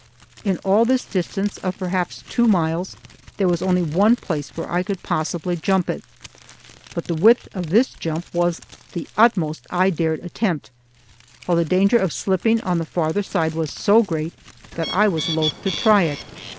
In all this distance of perhaps two miles there was only one place where I could possibly jump it, but the width of this jump was the utmost I dared attempt, while the danger of slipping on the farther side was so great that I was loath to try it.